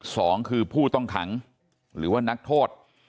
สองคือผู้ต้องขังหรือว่านักโทษ